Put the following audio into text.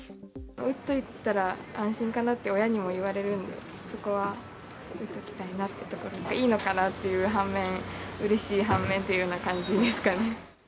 打っといたら安心かなって親にも言われるので、そこは打っておきたいなというところで、いいのかなっていう半面、うれしい半面っていうような感じですかね。